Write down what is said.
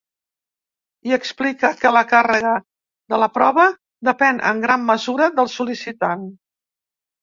I explica que la càrrega de la prova depèn en gran mesura del sol·licitant.